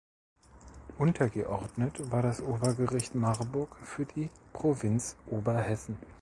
Untergeordnet war das Obergericht Marburg für die Provinz Oberhessen.